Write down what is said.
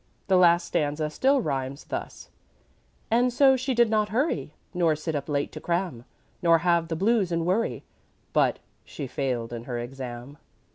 The last stanza still rhymes, thus: "And so she did not hurry, Nor sit up late to cram, Nor have the blues and worry, But she failed in her exam."